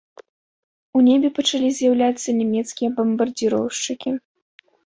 У небе пачалі з'яўляцца нямецкія бамбардзіроўшчыкі.